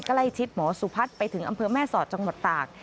ใกล้ชิดหมอสุพัฒน์ไปถึงอำเภอแม่สอดจังหวัดตาก